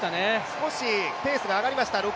少しペースが上がりました。